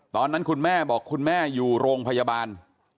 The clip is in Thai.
ตอนนั้นคุณแม่บอกคุณแม่อยู่โรงพยาบาล